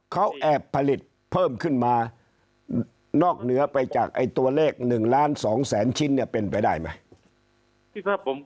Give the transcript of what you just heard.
เขาแอบผลิตเพิ่มขึ้นมานอกเหนือไปจากตัวเลข๑ล้าน๒แสนชิ้นเนี่ยเป็นไปได้ไหม